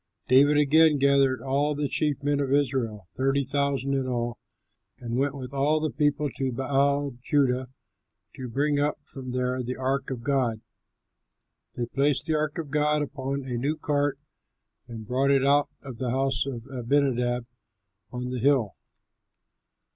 David again gathered all the chief men of Israel, thirty thousand in all, and went with all the people to Baal Judah, to bring up from there the ark of God. They placed the ark of God upon a new cart and brought it out of the house of Abinadab on the hill.